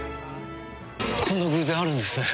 こんな偶然あるんですね。